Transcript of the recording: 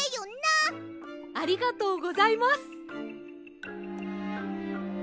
ありがとうございます。